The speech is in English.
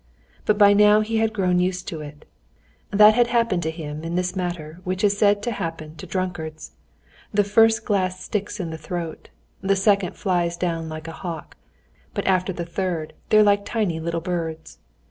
But by now he had grown used to it. That had happened to him in this matter which is said to happen to drunkards—the first glass sticks in the throat, the second flies down like a hawk, but after the third they're like tiny little birds.